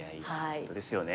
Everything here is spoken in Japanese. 本当ですよね。